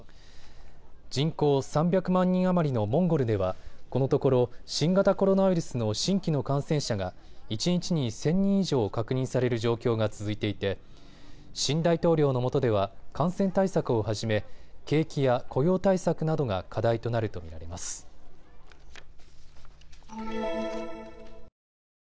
人口３００万人余りのモンゴルではこのところ新型コロナウイルスの新規の感染者が一日に１０００人以上確認される状況が続いていて新大統領のもとでは感染対策をはじめ景気や雇用対策などが課題となると見られます。